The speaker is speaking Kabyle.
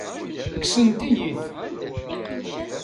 Kksent-iyi-t.